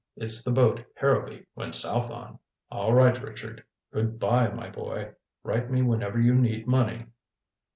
It's the boat Harrowby went south on." "All right, Richard. Good by, my boy. Write me whenever you need money."